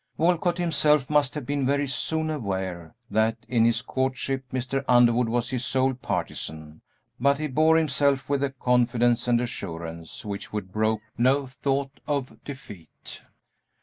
Walcott himself must have been very soon aware that in his courtship Mr. Underwood was his sole partisan, but he bore himself with a confidence and assurance which would brook no thought of defeat.